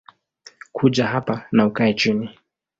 Kuja hapa na ukae chini